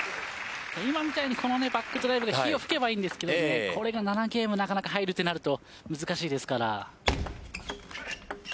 今みたいにバックドライブが火を噴けばいいんですけどこれが７ゲームマッチ中に入るとなると難しいです。